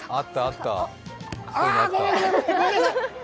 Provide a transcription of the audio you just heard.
あ！ごめんなさい。